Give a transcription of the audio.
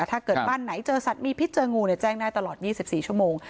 ถ้าเกิดบ้านไหนเจอสัตว์มีพิษเจองูแจ้งได้ตลอด๒๔ชั่วโมง